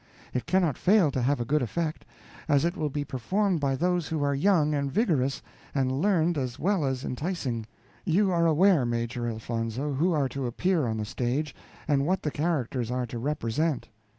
It cannot fail to have a good effect, as it will be performed by those who are young and vigorous, and learned as well as enticing. You are aware, Major Elfonzo, who are to appear on the stage, and what the characters are to represent."